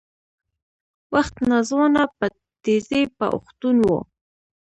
وخت ناځوانه په تېزۍ په اوښتون و